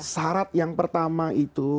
syarat yang pertama itu